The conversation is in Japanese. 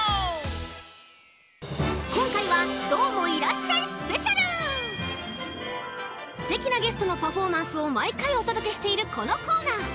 こんかいはすてきなゲストのパフォーマンスをまいかいおとどけしているこのコーナー。